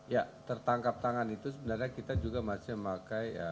ya tertangkap tangan itu sebenarnya kita juga masih memakai